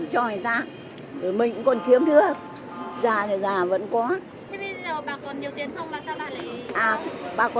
người đàn ông ngồi bên cạnh cũng không ngần ngại